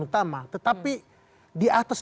utama tetapi di atas